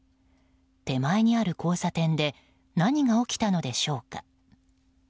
手前にある交差点で何が起きたのでしょうか。